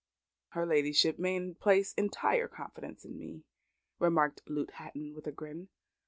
"Her ladyship may place entire confidence in me," remarked Luke Hatton, with a grin.